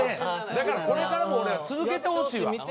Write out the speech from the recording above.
だからこれからも俺は続けてほしいわ。